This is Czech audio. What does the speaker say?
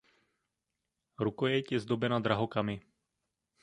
Rukojeť je zdobena drahokamy.